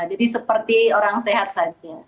jadi seperti orang sehat saja